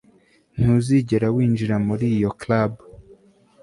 Ntuzigera winjira muri iyo club